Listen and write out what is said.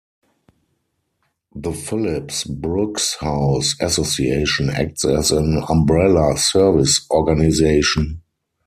The Phillips Brooks House Association acts as an umbrella service organization.